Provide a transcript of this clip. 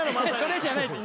それじゃないって。